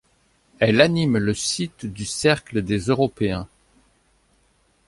Elle anime le site du Cercle des Européens.